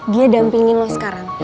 dia dampingin lo sekarang